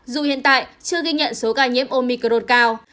dù hiện tại chưa ghi nhận số ca nhiễm omicro cao